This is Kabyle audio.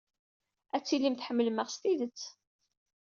Ad tilim tḥemmlem-aɣ s tidet.